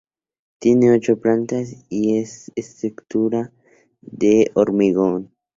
Tiene ocho plantas y su estructura es de hormigón.